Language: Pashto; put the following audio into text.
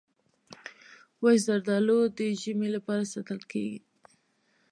وچ زردالو د ژمي لپاره ساتل کېږي.